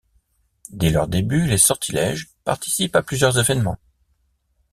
Dès leurs débuts, Les Sortilèges participent à plusieurs événements.